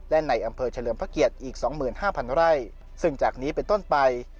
และในอำเภอเฉลิมพระเกียจอีกสองหมื่นห้าพันเท่าไรซึ่งจากนี้เป็นต้นไป